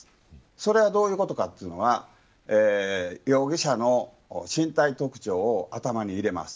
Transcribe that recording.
それはどういうことかというと容疑者と身体特徴を頭に入れます。